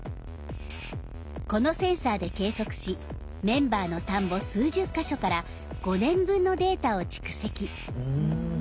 このセンサーで計測しメンバーの田んぼ数十か所から５年分のデータを蓄積。